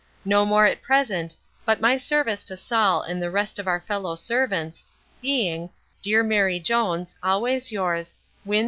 No more at present, but my sarvice to Saul and the rest of our fellow sarvents, being, Dear Mary Jones, Always yours, WIN.